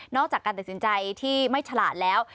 จากการตัดสินใจที่ไม่ฉลาดแล้ว